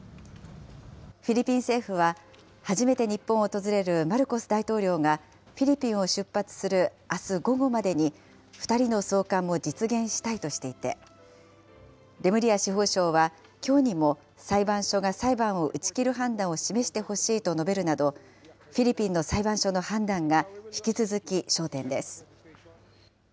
フィリピン政府は、初めて日本を訪れるマルコス大統領が、フィリピンを出発するあす午後までに、２人の送還も実現したいとしていて、レムリア司法相は、きょうにも裁判所が裁判を打ち切る判断を示してほしいと述べるなど、フィリピンの裁判所の判断が引き続き焦点です。